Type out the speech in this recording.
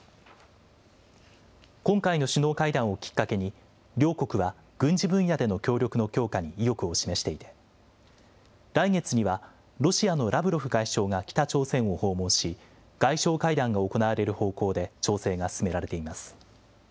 今回の首脳会談をきっかけに、両国は軍事分野での協力の強化に意欲を示していて、来月には、ロシアのラブロフ外相が北朝鮮を訪問し、外相会談が行われる方向で調整が進められています。